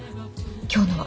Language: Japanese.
今日のは。